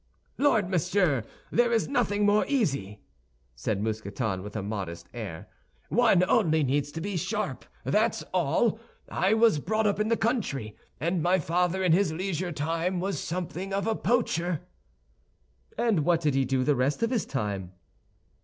"Lord, monsieur! There is nothing more easy," said Mousqueton, with a modest air. "One only needs to be sharp, that's all. I was brought up in the country, and my father in his leisure time was something of a poacher." "And what did he do the rest of his time?"